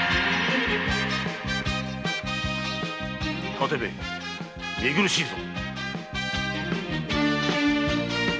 建部見苦しいぞ！